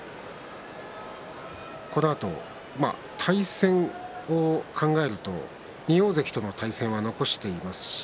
このあと対戦を考えると２大関との対戦は残していますし